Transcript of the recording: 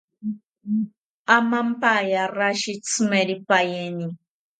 Amampaya rashi tsimeripaini